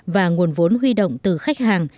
và nguồn vốn huy động từ khách hàng